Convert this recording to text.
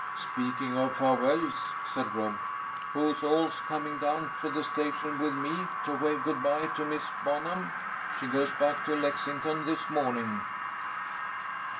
"Speaking of farewells," said Rob, "who all's coming down to the station with me to wave good by to Miss Bonham? She goes back to Lexington this morning."